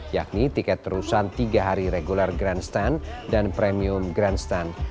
yakni tiket terusan tiga hari regular grandstand dan premium grandstand